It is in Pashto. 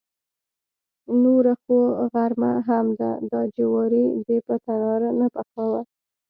نوره خو غرمه هم ده، دا جواری دې په تناره نه پخاوه.